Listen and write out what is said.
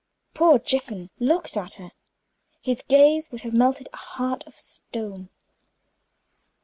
Poor Jiffin looked at her. His gaze would have melted a heart of stone.